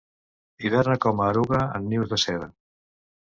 Hiberna com a eruga en nius de seda.